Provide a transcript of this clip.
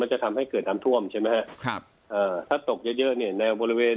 มันจะทำให้เกิดน้ำท่วมใช่ไหมครับถ้าตกเยอะเนี่ยแนวบริเวณ